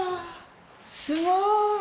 すごい！